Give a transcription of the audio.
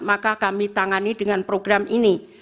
maka kami tangani dengan program ini